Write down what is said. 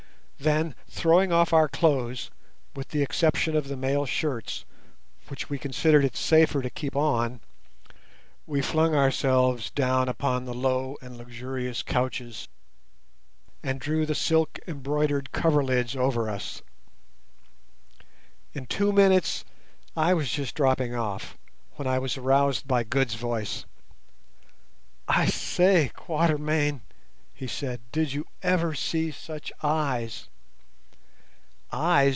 Then throwing off our clothes, with the exception of the mail shirts, which we considered it safer to keep on, we flung ourselves down upon the low and luxurious couches, and drew the silk embroidered coverlids over us. In two minutes I was just dropping off when I was aroused by Good's voice. "I say, Quatermain," he said, "did you ever see such eyes?" "Eyes!"